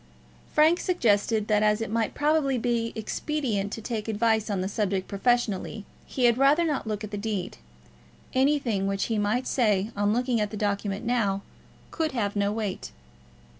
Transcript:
Frank suggested that, as it might probably be expedient to take advice on the subject professionally, he had rather not look at the deed. Anything which he might say, on looking at the document now, could have no weight.